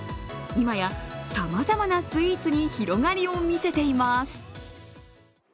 今や、さまざまなスイーツに広がりを見せています。